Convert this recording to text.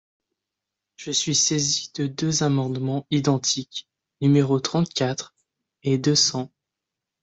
Je suis saisie de deux amendements identiques, numéros trente-quatre et deux cents.